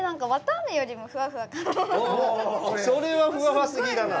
それはフワフワすぎだな。